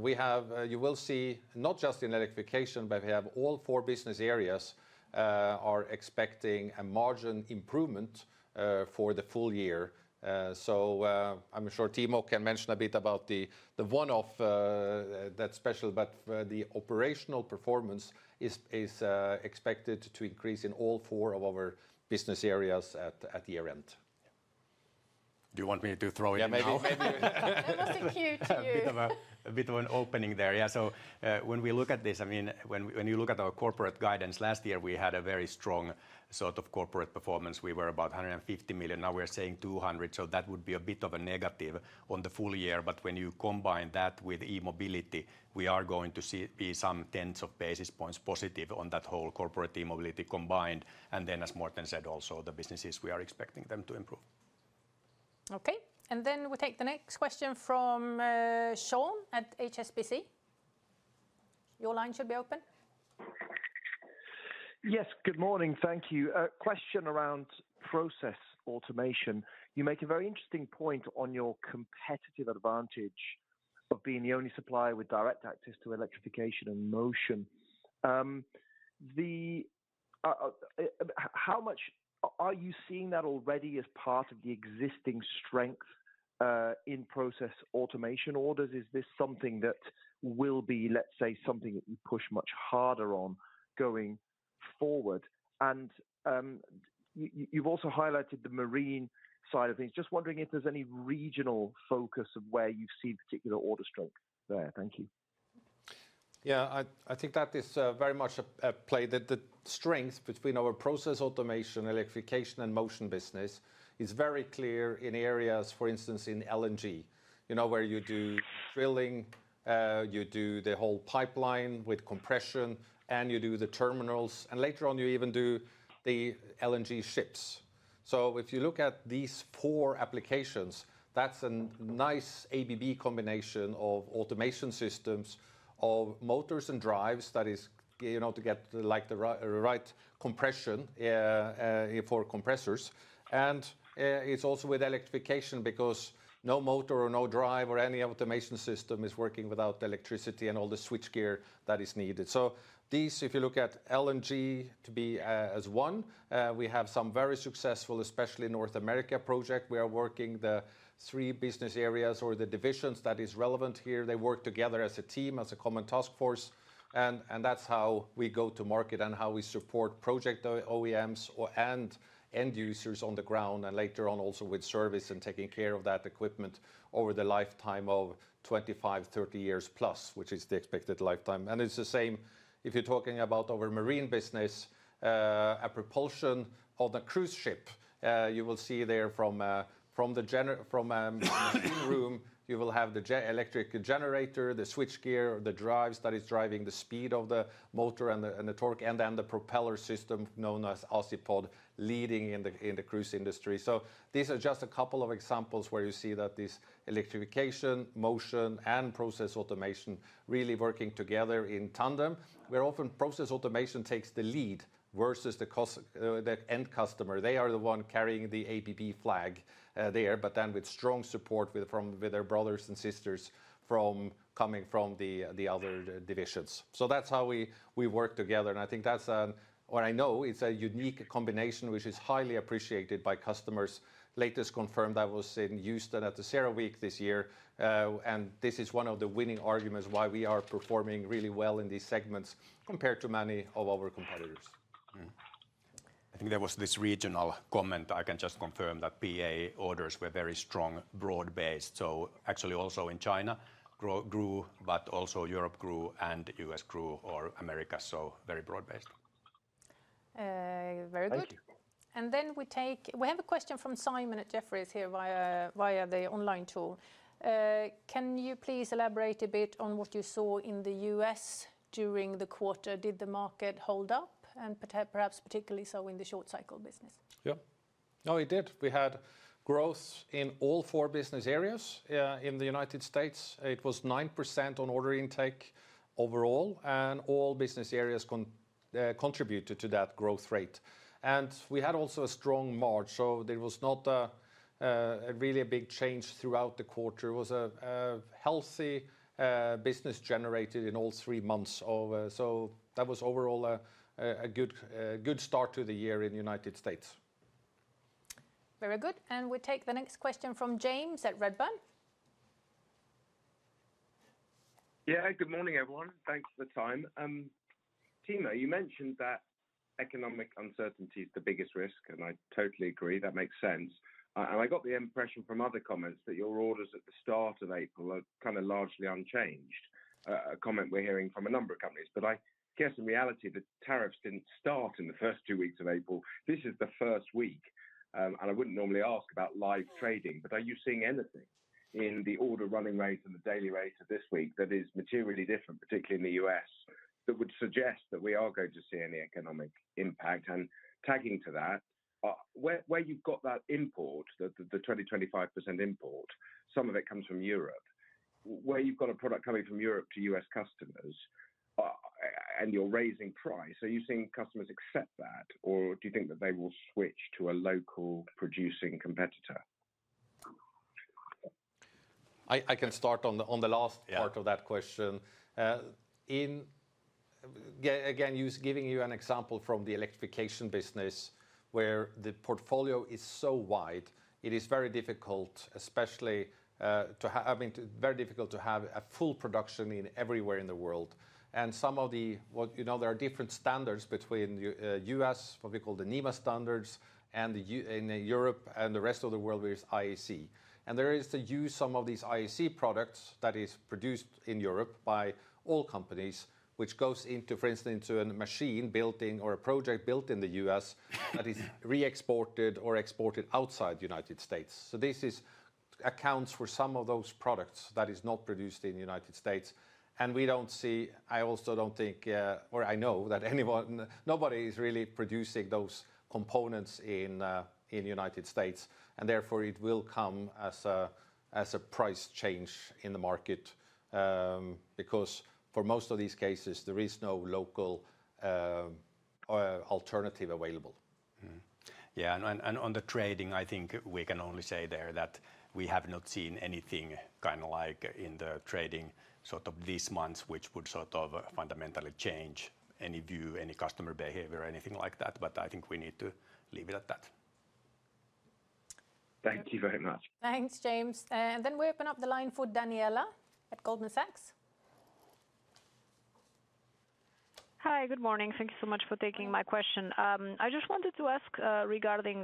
We have, you will see not just in Electrification, but we have all four business areas are expecting a margin improvement for the full year. I'm sure Timo can mention a bit about the one-off that's special, but the operational performance is expected to increase in all four of our business areas at year-end. Do you want me to throw in? Yeah, maybe. A bit of an opening there. Yeah, so when we look at this, I mean, when you look at our corporate guidance last year, we had a very strong sort of corporate performance. We were about $150 million. Now we're saying $200 million, so that would be a bit of a negative on the full year. When you combine that with e-mobility, we are going to see some tens of basis points positive on that whole corporate e-mobility combined. And then, as Morten said, also the businesses, we are expecting them to improve. Okay, and then we take the next question from Sean at HSBC. Your line should be open. Yes, good morning. Thank you. Question around Process Automation. You make a very interesting point on your competitive advantage of being the only supplier with direct access to Electrification and Motion. How much are you seeing that already as part of the existing strength in Process Automation orders? Is this something that will be, let's say, something that you push much harder on going forward? You have also highlighted the marine side of things. Just wondering if there is any regional focus of where you see particular order strength there. Thank you. Yeah, I think that is very much a play. The strength between our Process Automation, Electrification, and Motion business is very clear in areas, for instance, in LNG, where you do drilling, you do the whole pipeline with compression, and you do the terminals, and later on you even do the LNG ships. If you look at these four applications, that's a nice ABB combination of automation systems, of motors and drives that is to get the right compression for compressors. It's also with Electrification because no motor or no drive or any automation system is working without electricity and all the switchgear that is needed. If you look at LNG to be as one, we have some very successful, especially North America project. We are working the three business areas or the divisions that are relevant here. They work together as a team, as a common task force. That is how we go to market and how we support project OEMs and end users on the ground and later on also with service and taking care of that equipment over the lifetime of 25, 30 years plus, which is the expected lifetime. It is the same if you are talking about our marine business, a propulsion on a cruise ship. You will see there from the room, you will have the electric generator, the switchgear, the drives that are driving the speed of the motor and the torque, and then the propeller system known as Azipod leading in the cruise industry. These are just a couple of examples where you see that this Electrification, Motion, and Process Automation really working together in tandem. Where often Process Automation takes the lead versus the end customer. They are the one carrying the ABB flag there, but then with strong support from their brothers and sisters coming from the other divisions. That is how we work together. I think that is, or I know it is a unique combination, which is highly appreciated by customers. Latest confirmed, I was in Houston at the CERAWeek this year, and this is one of the winning arguments why we are performing really well in these segments compared to many of our competitors. I think there was this regional comment. I can just confirm that PA orders were very strong, broad-based. Actually also in China grew, but also Europe grew and the U.S. grew or America, so very broad-based. Very good. We have a question from Simon at Jefferies here via the online tool. Can you please elaborate a bit on what you saw in the U.S. during the quarter? Did the market hold up and perhaps particularly so in the short cycle business? Yeah, no, it did. We had growth in all four business areas in the United States. It was 9% on order intake overall, and all business areas contributed to that growth rate. We had also a strong margin, so there was not really a big change throughout the quarter. It was a healthy business generated in all three months over. That was overall a good start to the year in the United States. Very good. We take the next question from James at Redburn. Yeah, good morning, everyone. Thanks for the time. Timo, you mentioned that economic uncertainty is the biggest risk, and I totally agree. That makes sense. I got the impression from other comments that your orders at the start of April are kind of largely unchanged. A comment we're hearing from a number of companies, but I guess in reality, the tariffs did not start in the first two weeks of April. This is the first week, and I would not normally ask about live trading, but are you seeing anything in the order running rate and the daily rate of this week that is materially different, particularly in the U.S., that would suggest that we are going to see any economic impact? Tagging to that, where you have that import, the 20-25% import, some of it comes from Europe. Where you've got a product coming from Europe to U.S. customers and you're raising price, are you seeing customers accept that, or do you think that they will switch to a local producing competitor? I can start on the last part of that question. Again, giving you an example from the Electrification business, where the portfolio is so wide, it is very difficult, especially to have, I mean, very difficult to have a full production everywhere in the world. Some of the, there are different standards between the U.S., what we call the NEMA standards, and in Europe and the rest of the world, which is IEC. There is to use some of these IEC products that are produced in Europe by all companies, which goes into, for instance, into a machine built in or a project built in the U.S. that is re-exported or exported outside the United States. This accounts for some of those products that are not produced in the United States. We do not see, I also do not think, or I know that anyone, nobody is really producing those components in the United States. Therefore, it will come as a price change in the market because for most of these cases, there is no local alternative available. Yeah, and on the trading, I think we can only say there that we have not seen anything kind of like in the trading sort of these months, which would sort of fundamentally change any view, any customer behavior, anything like that. I think we need to leave it at that. Thank you very much. Thanks, James. We open up the line for Daniela at Goldman Sachs. Hi, good morning. Thank you so much for taking my question. I just wanted to ask regarding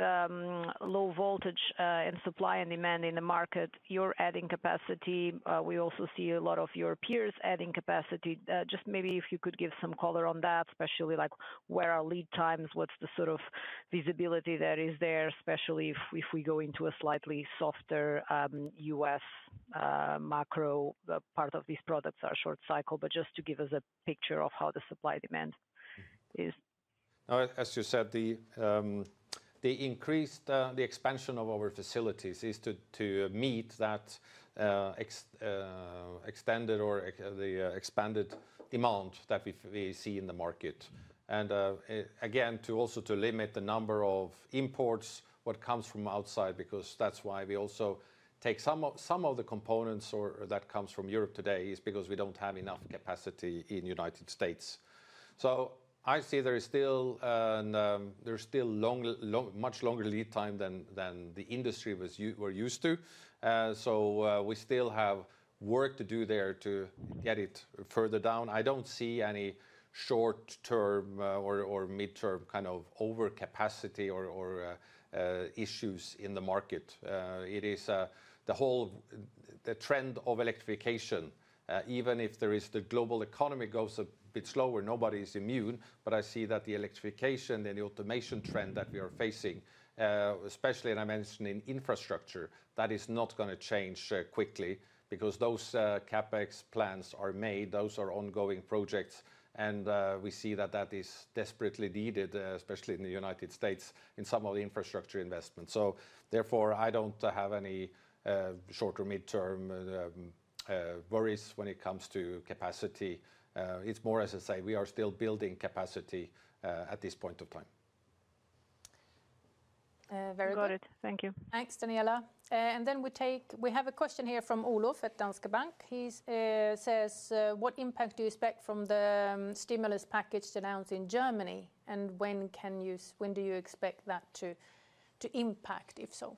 low voltage and supply and demand in the market, you're adding capacity. We also see a lot of your peers adding capacity. Just maybe if you could give some color on that, especially like where are lead times, what's the sort of visibility that is there, especially if we go into a slightly softer U.S. macro part of these products are short cycle, but just to give us a picture of how the supply demand is. As you said, the increased, the expansion of our facilities is to meet that extended or the expanded demand that we see in the market. Again, to also limit the number of imports, what comes from outside, because that's why we also take some of the components that come from Europe today is because we don't have enough capacity in the United States. I see there is still a, there's still much longer lead time than the industry was used to. We still have work to do there to get it further down. I don't see any short term or mid term kind of overcapacity or issues in the market. It is the whole trend of Electrification, even if the global economy goes a bit slower, nobody is immune, but I see that the Electrification and the automation trend that we are facing, especially, and I mentioned in infrastructure, that is not going to change quickly because those CapEx plans are made, those are ongoing projects, and we see that that is desperately needed, especially in the United States in some of the infrastructure investments. Therefore, I do not have any short or mid term worries when it comes to capacity. It is more as I say, we are still building capacity at this point of time. Very good. Got it. Thank you. Thanks, Daniela. We have a question here from Olof at Danske Bank. He says, what impact do you expect from the stimulus package announced in Germany? When do you expect that to impact, if so?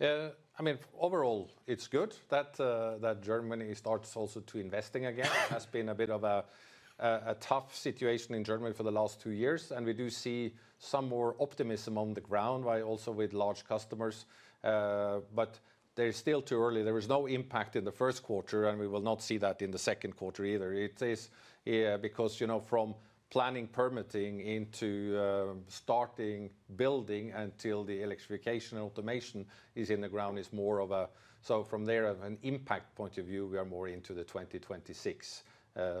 Yeah, I mean, overall, it's good that Germany starts also to investing again. It has been a bit of a tough situation in Germany for the last two years, and we do see some more optimism on the ground by also with large customers, but there is still too early. There was no impact in the Q1, and we will not see that in the Q2 either. It is because from planning permitting into starting building until the Electrification automation is in the ground is more of a, so from there of an impact point of view, we are more into the 2026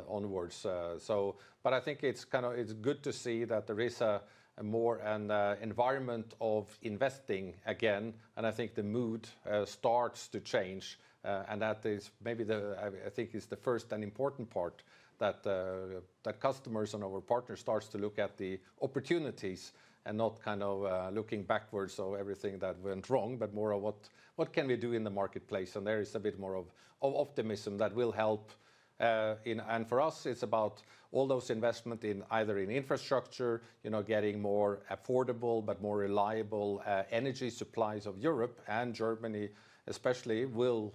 onwards. I think it's kind of, it's good to see that there is a more an environment of investing again, and I think the mood starts to change. That is maybe the, I think is the first and important part that customers and our partners start to look at the opportunities and not kind of looking backwards or everything that went wrong, but more of what can we do in the marketplace. There is a bit more of optimism that will help in, and for us, it's about all those investments in either in infrastructure, getting more affordable, but more reliable energy supplies of Europe and Germany especially will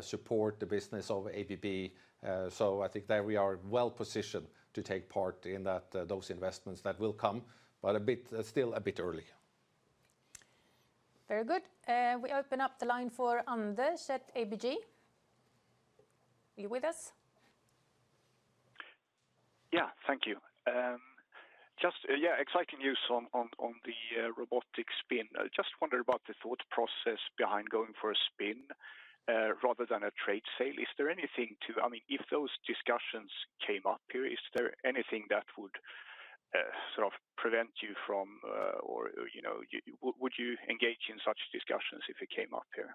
support the business of ABB. I think that we are well positioned to take part in those investments that will come, but a bit still a bit early. Very good. We open up the line for Anders at ABG. Are you with us? Yeah, thank you. Just, yeah, exciting news on the robotic spin. I just wondered about the thought process behind going for a spin rather than a trade sale. Is there anything to, I mean, if those discussions came up here, is there anything that would sort of prevent you from, or would you engage in such discussions if it came up here?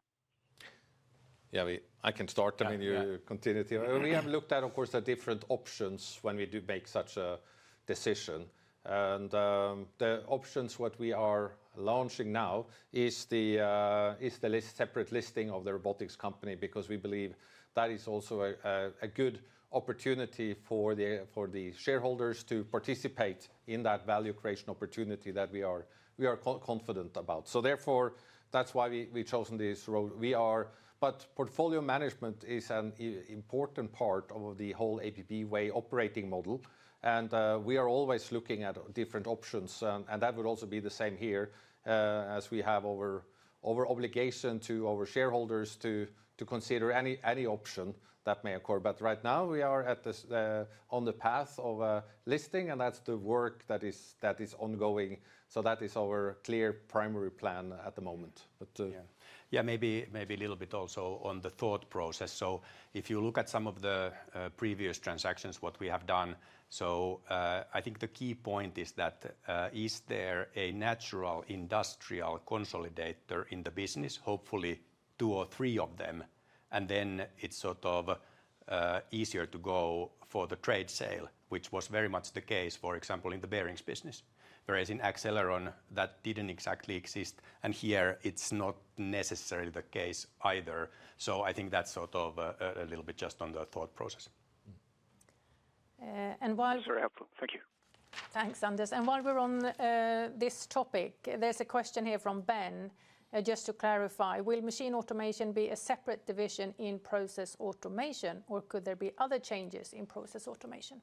Yeah, I can start. I mean, you continue to. We have looked at, of course, the different options when we do make such a decision. The options what we are launching now is the separate listing of the robotics company because we believe that is also a good opportunity for the shareholders to participate in that value creation opportunity that we are confident about. That is why we chose this road. Portfolio management is an important part of the whole ABB way operating model. We are always looking at different options. That would also be the same here as we have over obligation to our shareholders to consider any option that may occur. Right now, we are on the path of listing, and that is the work that is ongoing. That is our clear primary plan at the moment. Yeah, maybe a little bit also on the thought process. If you look at some of the previous transactions, what we have done, I think the key point is that is there a natural industrial consolidator in the business, hopefully two or three of them, and then it's sort of easier to go for the trade sale, which was very much the case, for example, in the bearings business, whereas in Accelleron, that didn't exactly exist. Here it's not necessarily the case either. I think that's sort of a little bit just on the thought process. And while. Sorry, thank you. Thanks, Anders. While we're on this topic, there's a question here from Ben, just to clarify, will Machine Automation be a separate division in Process Automation, or could there be other changes in Process Automation?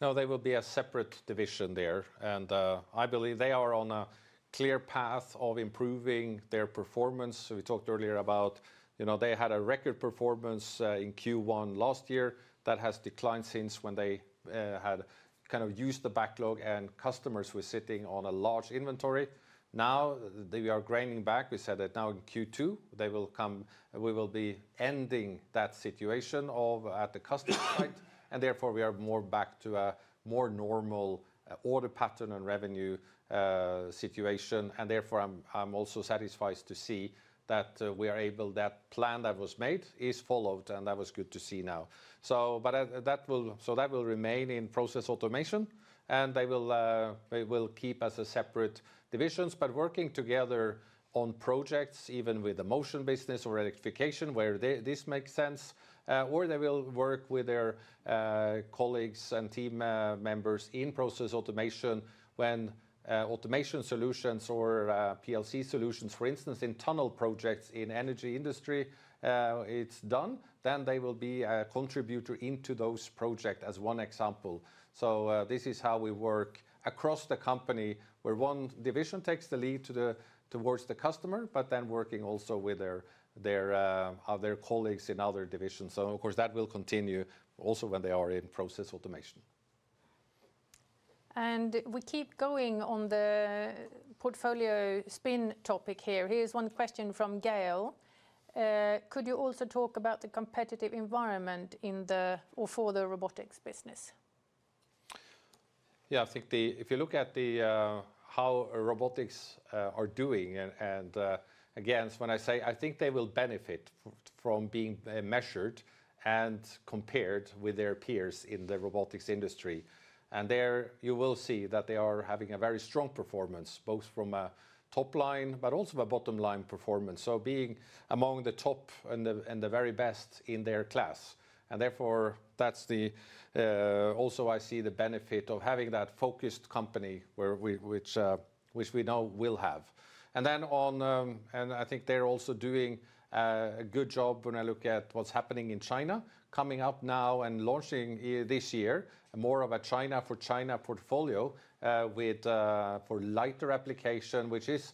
No, they will be a separate division there. I believe they are on a clear path of improving their performance. We talked earlier about, they had a record performance in Q1 last year that has declined since when they had kind of used the backlog and customers were sitting on a large inventory. Now they are gaining back. We said that now in Q2, they will come, we will be ending that situation at the customer site. Therefore, we are more back to a more normal order pattern and revenue situation. Therefore, I am also satisfied to see that we are able, that plan that was made is followed, and that was good to see now. That will remain in Process Automation, and they will keep as separate divisions, but working together on projects, even with the Motion business or Electrification, where this makes sense, or they will work with their colleagues and team members in Process Automation when automation solutions or PLC solutions, for instance, in tunnel projects in the energy industry, it's done, then they will be a contributor into those projects as one example. This is how we work across the company where one division takes the lead towards the customer, but then working also with their colleagues in other divisions. Of course, that will continue also when they are in Process Automation. We keep going on the portfolio spin topic here. Here's one question from Gael. Could you also talk about the competitive environment in the, or for the robotics business? Yeah, I think if you look at how robotics are doing, and again, when I say, I think they will benefit from being measured and compared with their peers in the robotics industry. There you will see that they are having a very strong performance, both from a top line, but also a bottom line performance. Being among the top and the very best in their class. Therefore, that's the, also I see the benefit of having that focused company which we now will have. I think they're also doing a good job when I look at what's happening in China coming up now and launching this year, more of a China for China portfolio for lighter application, which is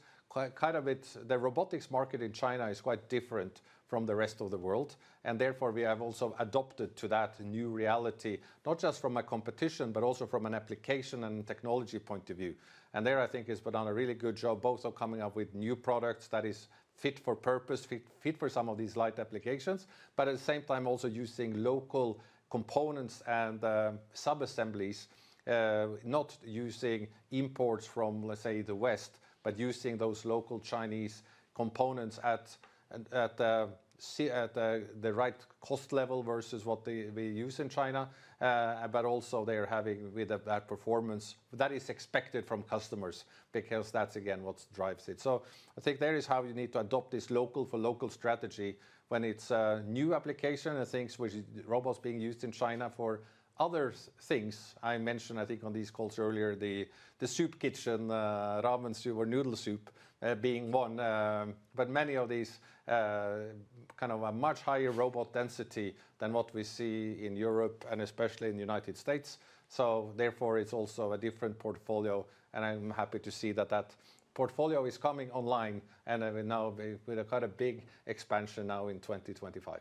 kind of it, the robotics market in China is quite different from the rest of the world. Therefore, we have also adopted to that new reality, not just from a competition, but also from an application and technology point of view. I think ABB has put on a really good job, both of coming up with new products that are fit for purpose, fit for some of these light applications, but at the same time also using local components and sub-assemblies, not using imports from, let's say, the West, but using those local Chinese components at the right cost level versus what they use in China, but also having with that performance that is expected from customers because that's again what drives it. I think there is how you need to adopt this local-for-local strategy when it's a new application and things which robots are being used in China for other things. I mentioned I think on these calls earlier, the soup kitchen, ramen soup or noodle soup being one, but many of these kind of a much higher robot density than what we see in Europe and especially in the United States. Therefore, it is also a different portfolio. I am happy to see that that portfolio is coming online and now with a kind of big expansion now in 2025.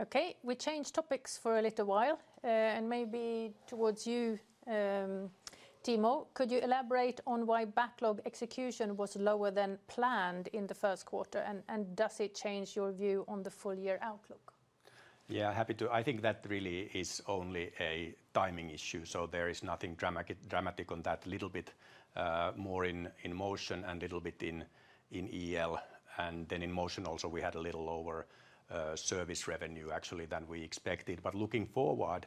Okay, we changed topics for a little while and maybe towards you, Timo, could you elaborate on why backlog execution was lower than planned in the Q1 and does it change your view on the full year outlook? Yeah, happy to. I think that really is only a timing issue. There is nothing dramatic on that, a little bit more in Motion and a little bit in EL. In Motion also, we had a little lower service revenue actually than we expected. Looking forward,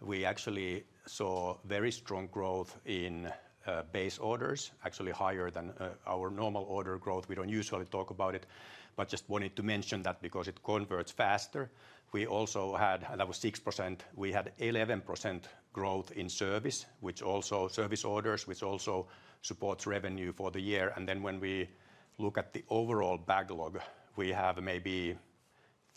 we actually saw very strong growth in base orders, actually higher than our normal order growth. We do not usually talk about it, but just wanted to mention that because it converts faster. We also had, and that was 6%, we had 11% growth in service, which also service orders, which also supports revenue for the year. When we look at the overall backlog, we have maybe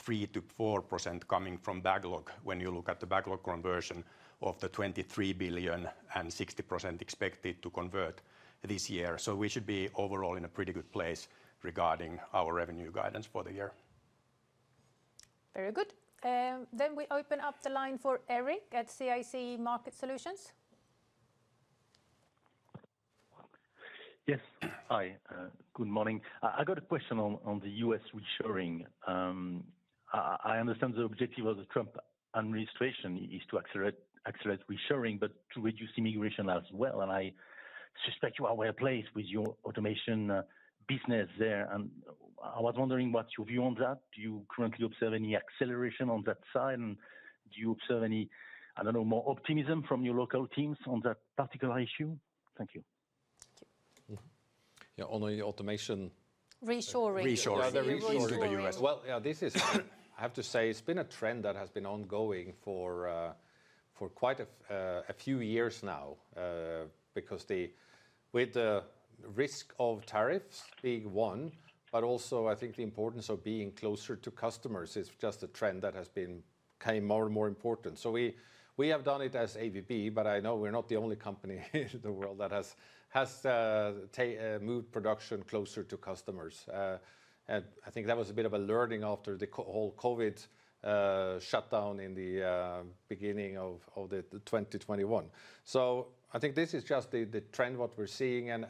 3%-4% coming from backlog when you look at the backlog conversion of the $23 billion and 60% expected to convert this year. We should be overall in a pretty good place regarding our revenue guidance for the year. Very good. We open up the line for Eric at CIC Market Solutions. Yes. Hi, good morning. I got a question on the U.S. reshoring. I understand the objective of the Trump administration is to accelerate reshoring, but to reduce immigration as well. I suspect you are well placed with your automation business there. I was wondering what's your view on that? Do you currently observe any acceleration on that side? Do you observe any, I don't know, more optimism from your local teams on that particular issue? Thank you. Thank you. Yeah, only automation. Reshoring. Reshoring. Yeah, this is, I have to say, it's been a trend that has been ongoing for quite a few years now because with the risk of tariffs being one, but also I think the importance of being closer to customers is just a trend that has been becoming more and more important. We have done it as ABB, but I know we're not the only company in the world that has moved production closer to customers. I think that was a bit of a learning after the whole COVID shutdown in the beginning of 2021. I think this is just the trend we are seeing.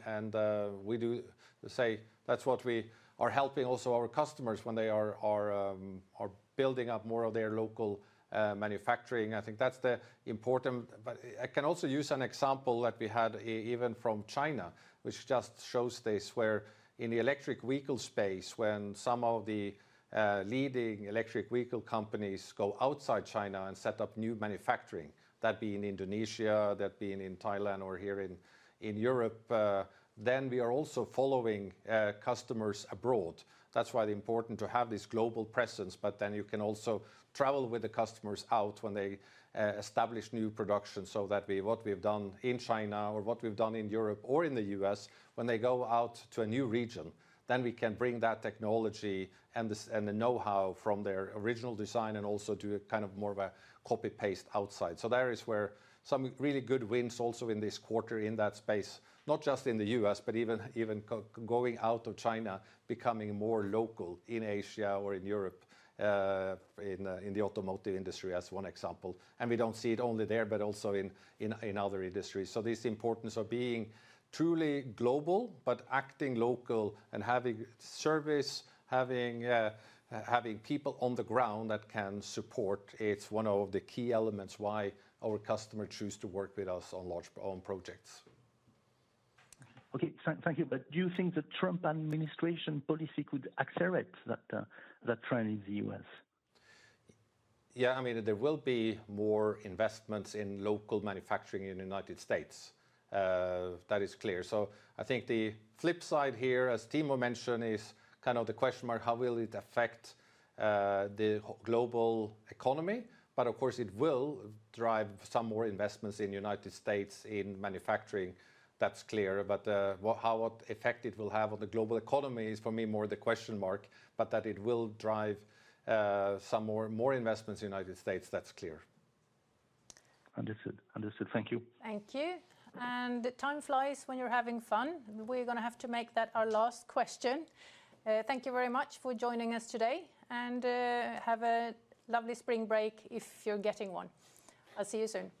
We do say that's what we are helping also our customers when they are building up more of their local manufacturing. I think that's the important. I can also use an example that we had even from China, which just shows this where in the electric vehicle space, when some of the leading electric vehicle companies go outside China and set up new manufacturing, that being in Indonesia, that being in Thailand or here in Europe, we are also following customers abroad. That's why it's important to have this global presence, but you can also travel with the customers out when they establish new production so that what we've done in China or what we've done in Europe or in the U.S., when they go out to a new region, we can bring that technology and the know-how from their original design and also do kind of more of a copy-paste outside. There is where some really good wins also in this quarter in that space, not just in the U.S., but even going out of China, becoming more local in Asia or in Europe in the automotive industry as one example. We do not see it only there, but also in other industries. This importance of being truly global, but acting local and having service, having people on the ground that can support, is one of the key elements why our customers choose to work with us on large projects. Okay, thank you. Do you think the Trump administration policy could accelerate that trend in the U.S.? Yeah, I mean, there will be more investments in local manufacturing in the United States. That is clear. I think the flip side here, as Timo mentioned, is kind of the question mark, how will it affect the global economy? Of course, it will drive some more investments in the United States in manufacturing. That's clear. How it will affect, it will have on the global economy is for me more the question mark, but that it will drive some more investments in the United States. That's clear. Understood. Thank you. Thank you. Time flies when you're having fun. We're going to have to make that our last question. Thank you very much for joining us today and have a lovely spring break if you're getting one. I'll see you soon.